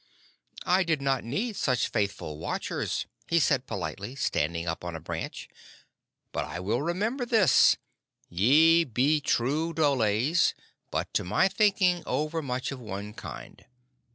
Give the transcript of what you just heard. "I did not need such faithful watchers," he said politely, standing up on a branch, "but I will remember this. Ye be true dholes, but to my thinking over much of one kind.